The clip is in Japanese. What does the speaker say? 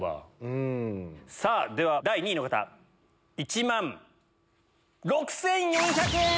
さぁ第２位の方１万６４００円！